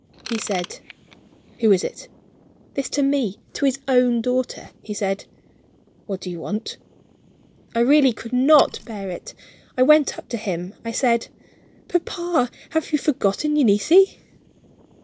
He said: "Who is it?" This to me to his own daughter. He said: "What do you want?" I really could not bear it. I went up to him. I said: "Papa, have you forgotten Eunice?"